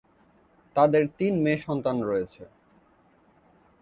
তাদের তিন মেয়ে সন্তান রয়েছে।